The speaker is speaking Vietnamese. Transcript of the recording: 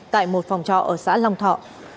tại một phòng trọ ở xã long thọ